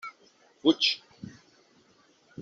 Fuig!